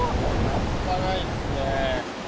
半端ないっすね。